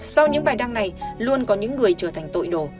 sau những bài đăng này luôn có những người trở thành tội đồ